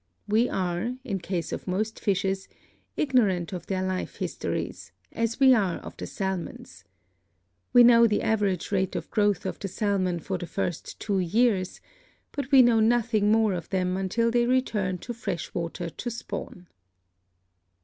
We are, in case of most fishes, ignorant of their life histories, as we are of the salmon's. We know the average rate of growth of the salmon for the first two years, but we know nothing more of them until they return to fresh water to spawn.